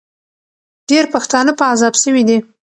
ډېر پښتانه په عذاب سوي دي.